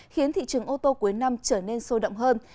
khiến thị trường ô tô cuối năm trở nên sôi động hơn